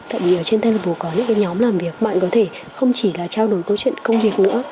tại vì ở trên telepro có những nhóm làm việc bạn có thể không chỉ là trao đổi câu chuyện công việc nữa